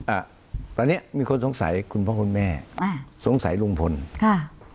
อ่าตอนเนี้ยมีคนสงสัยคุณพ่อคุณแม่อ่าสงสัยลุงพลค่ะ